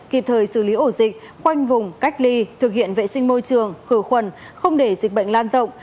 kịp thời xử lý ổ dịch quanh vùng cách ly thực hiện vệ sinh môi trường khử khuẩn không để dịch bệnh lan rộng